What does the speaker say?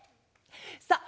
さあ